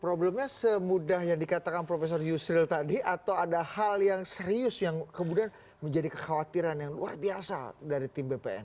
problemnya semudah yang dikatakan profesor yusril tadi atau ada hal yang serius yang kemudian menjadi kekhawatiran yang luar biasa dari tim bpn